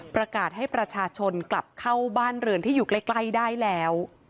ประกาศให้ประชาชนกลับเข้าบ้านเรือนที่อยู่ใกล้ได้แล้ว